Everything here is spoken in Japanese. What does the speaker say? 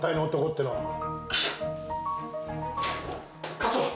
課長！